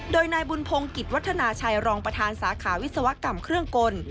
โดยนายบุญพงศ์กิจวัฒนาชัยรองประธานสาขาวิศวกรรมเครื่องกล